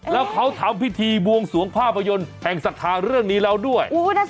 แล้วเขาทำพิธีบวงสวงภาพยนตร์แห่งศรัทธาเรื่องนี้แล้วด้วย